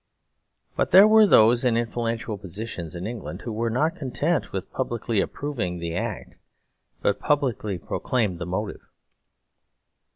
But there were those in influential positions in England who were not content with publicly approving the act, but publicly proclaimed the motive.